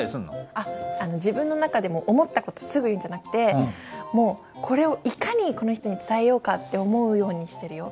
あっ自分の中でも思った事すぐ言うんじゃなくてもうこれをいかにこの人に伝えようかって思うようにしてるよ。